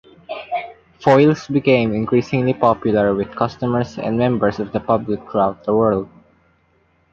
Foyles became increasingly popular with customers and members of the public throughout the world.